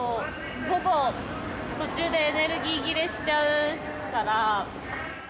午後、途中でエネルギー切れしちゃうから。